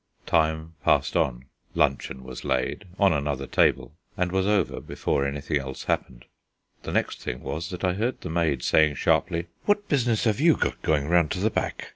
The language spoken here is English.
Time passed on. Luncheon was laid on another table and was over, before anything else happened. The next thing was that I heard the maid saying sharply: "What business 'ave you got going round to the back?